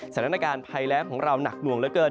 สถานการณ์พายแล้วของเรานักดวงเหลือเกิน